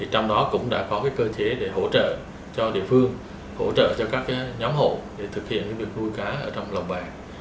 trong đó cũng đã có cơ chế để hỗ trợ cho địa phương hỗ trợ cho các nhóm hồ để thực hiện việc nuôi cá trong lòng bè